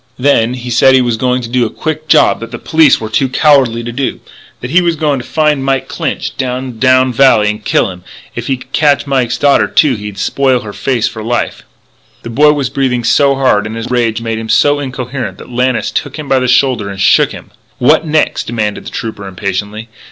Then he said he was going to do a quick job that the police were too cowardly to do; that he was a going to find Mike Clinch down to Drowned Valley and kill him; and if he could catch Mike's daughter, too, he'd spoil her face for life " The boy was breathing so hard and his rage made him so incoherent that Lannis took him by the shoulder and shook him: "What next?" demanded the Trooper impatiently.